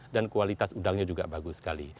dan kualitas udangnya juga bagus sekali